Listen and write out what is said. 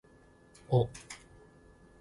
お